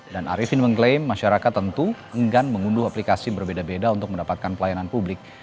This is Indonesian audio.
dan arifin mengklaim masyarakat tentu enggan mengunduh aplikasi berbeda beda untuk mendapatkan pelayanan publik